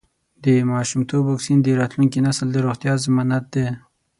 د ماشومتوب واکسین د راتلونکي نسل د روغتیا ضمانت دی.